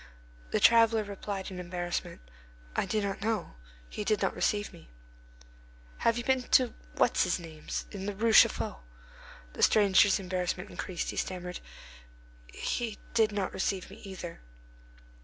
The traveller replied with embarrassment: "I do not know. He did not receive me." "Have you been to What's his name's, in the Rue Chaffaut?" The stranger's embarrassment increased; he stammered, "He did not receive me either."